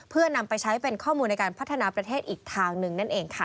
เพื่อนำไปใช้เป็นข้อมูลในการพัฒนาประเทศอีกทางหนึ่งนั่นเองค่ะ